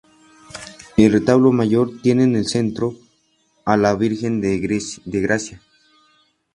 El retablo mayor tiene en el centro a la Virgen de Gracia.